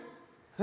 え！